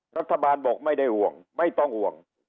รัฐบาลบอกไม่ได้ห่วงไม่ต้องห่วง